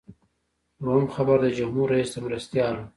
دویم خبر د جمهور رئیس د مرستیال و.